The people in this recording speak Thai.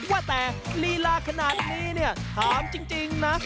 ว่าแต่ลีลาขนาดนี้เนี่ยถามจริงนะ